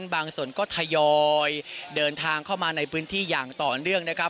บางส่วนก็ทยอยเดินทางเข้ามาในพื้นที่อย่างต่อเนื่องนะครับ